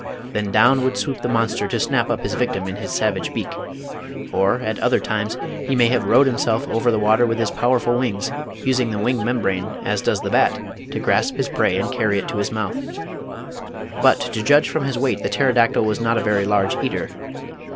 Then down would swoop the monster to snap up his victim in his savage beak. Or, at other times, he may have rowed himself over the water with his powerful wings, using the wing membrane, as does the bat, to grasp his prey and carry it to his mouth. But, to judge from his weight, the Pterodactyl was not a very large eater.